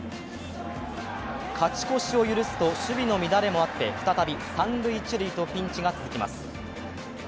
勝ち越しを許すと守備の乱れもあって再び３塁１塁とピンチが続きます。